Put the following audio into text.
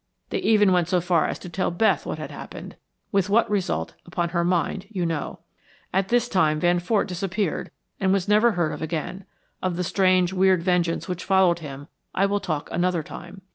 They even went so far as to tell Beth what had happened, with what result upon her mind you know. At this time Van Fort disappeared, and was never heard of again. Of the strange weird vengeance which followed him I will talk another time.